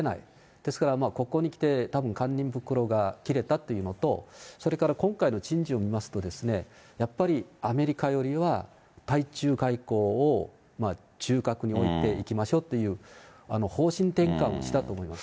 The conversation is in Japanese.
ですから、ここに来て、たぶん堪忍袋が切れたっていうのと、それから、今回の人事を見ますとですね、やっぱり、アメリカよりは対中外交を中核に置いていきましょうという方針転換をしたと思います。